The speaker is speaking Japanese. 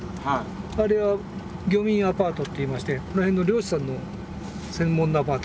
あれは漁民アパートっていいましてこの辺の漁師さんの専門のアパートです。